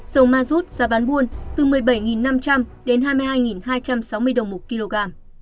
dầu ma rút giá bán buôn từ một mươi bảy năm trăm linh đến hai mươi hai hai trăm sáu mươi đồng một kg